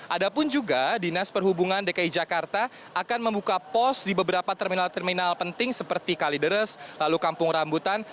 ada pun juga dinas perhubungan dki jakarta akan membuka pos di beberapa terminal terminal penting seperti kalideres lalu kampung rambutan